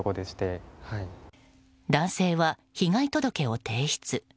男性は被害届を提出。